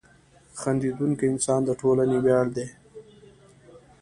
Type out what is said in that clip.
• خندېدونکی انسان د ټولنې ویاړ دی.